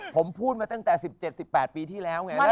ผมพูดมาตั้งแต่๑๗๑๘ปีที่แล้วไง